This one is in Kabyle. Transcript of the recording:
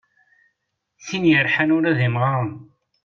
Tin yerḥan ula d imɣaren.